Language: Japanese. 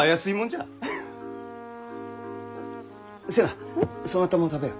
瀬名そなたも食べよ。